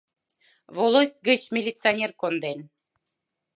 Волость гыч милиционер конден...